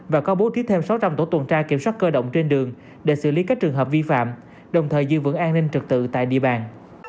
và có bố trí thêm sáu trăm linh tổ tuần tra kiểm soát cơ động trên đường để xử lý các trường hợp vi phạm đồng thời giữ vững an ninh trực tự tại địa bàn